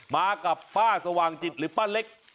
มากับป้าสว่างจิตหรือป้าเล็ก